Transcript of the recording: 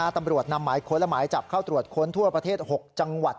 ตำรวจนำหมายค้นและหมายจับเข้าตรวจค้นทั่วประเทศ๖จังหวัด